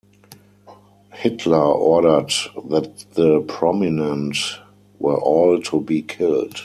Hitler ordered that the "Prominente" were all to be killed.